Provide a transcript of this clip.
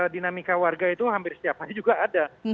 dinamika warga itu hampir setiap hari juga ada